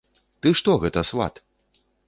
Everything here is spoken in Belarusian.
Ты што гэта, сват?